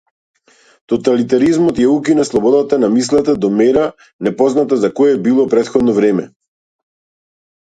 Тоталитаризмот ја укина слободата на мислата до мера непозната за кое било претходно време.